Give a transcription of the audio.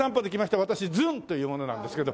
私ずんという者なんですけど。